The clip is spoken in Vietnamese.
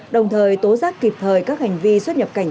đồng thời tố giác kịp thời các hành vi xuất nhập cảnh